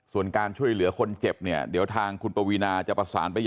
ส่วนการช่วยเหลือคนเจ็บเนี่ยเดี๋ยวทางคุณปวีนาจะประสานไป